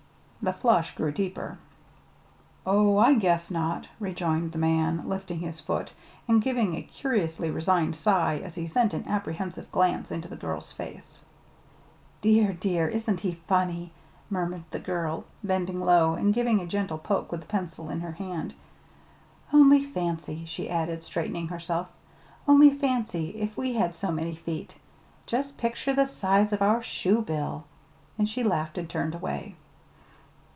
The flush grew deeper. "Oh, I guess not," rejoined the man, lifting his foot, and giving a curiously resigned sigh as he sent an apprehensive glance into the girl's face. "Dear, dear! isn't he funny?" murmured the girl, bending low and giving a gentle poke with the pencil in her hand. "Only fancy," she added, straightening herself, "only fancy if we had so many feet. Just picture the size of our shoe bill!" And she laughed and turned away.